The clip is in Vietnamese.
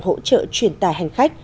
hỗ trợ truyền tải hành khách